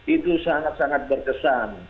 itu sangat sangat berkesan